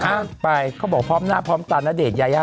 ไปเขาบอกพร้อมหน้าพร้อมตาณเดชนยายา